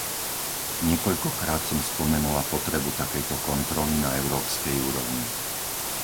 Niekoľkokrát som spomenula potrebu takejto kontroly na európskej úrovni.